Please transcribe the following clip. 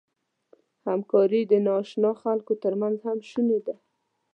همکاري د ناآشنا خلکو تر منځ هم شونې ده.